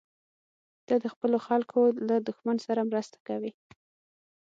ته د خپلو خلکو له دښمن سره مرسته کوې.